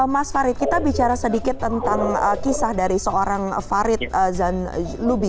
mas farid kita bicara sedikit tentang kisah dari seorang farid zanlubi